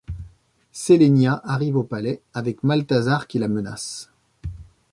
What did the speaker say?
Sélénia arrive au palais, avec Maltazard qui la menace.